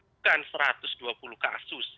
bukan satu ratus dua puluh kasus